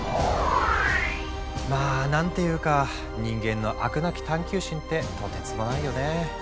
まあ何ていうか人間の飽くなき探求心ってとてつもないよね。